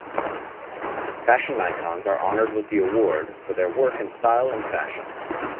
Fashion icons are honored with the award for their work in style and fashion.